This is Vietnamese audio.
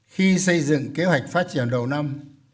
khi xây dựng kế hoạch phát triển đầu năm